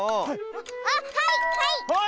あっはいはい！